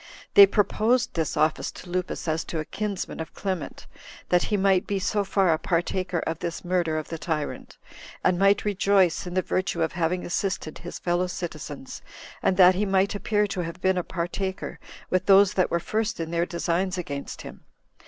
They proposed this office to Lupus as to a kinsman of Clement, that he might be so far a partaker of this murder of the tyrant, and might rejoice in the virtue of having assisted his fellow citizens, and that he might appear to have been a partaker with those that were first in their designs against him.